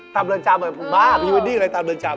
ตามเรือนจำเหรอบ้าพรีเว็ดดิ้งอะไรตามเรือนจำ